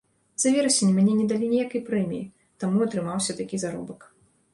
За верасень мне не далі ніякай прэміі, таму атрымаўся такі заробак.